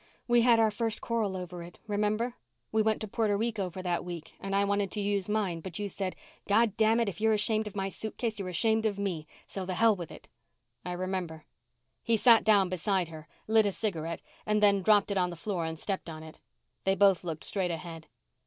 "We had our first quarrel over it, remember? We went to Puerto Rico for that week and I wanted to use mine but you said, 'Goddamn it, if you're ashamed of my suitcase you're ashamed of me, so the hell with it.'" "I remember." He sat down beside her, lit a cigarette, and then dropped it on the floor and stepped on it. They both looked straight ahead.